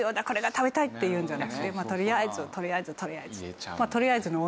これが食べたいっていうんじゃなくてとりあえずとりあえずとりあえず。